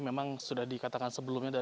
memang sudah dikatakan sebelumnya